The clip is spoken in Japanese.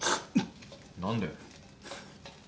何で？